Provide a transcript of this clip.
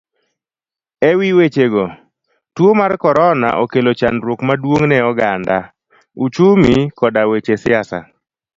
Ewi wechego, tuo mar korona okelo chandruok maduong ne oganda, uchumi koda weche siasa.